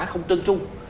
không trân trung